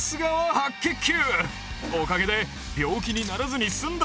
白血球。